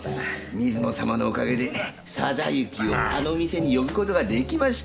水野様のおかげで定行をあの店に呼ぶ事ができました。